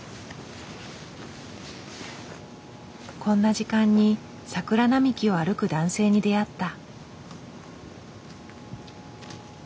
こんな時間に桜並木を歩く男性に出会った。